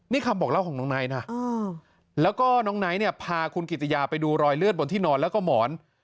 นี่คำบอกเล่าของน้องไนท์นะแล้วก็น้องไนท์เนี่ยพาคุณกิติยาไปดูรอยเลือดบนที่นอนแล้วก็หมอน